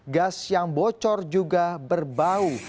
gas yang bocor juga berbau